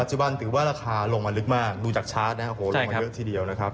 จุบันถือว่าราคาลงมาลึกมากดูจากชาร์จนะครับโหลงมาเยอะทีเดียวนะครับ